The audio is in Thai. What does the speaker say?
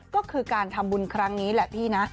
ก็คือการทำบุญครั้งนี้แหละพี่นะ